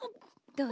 どう？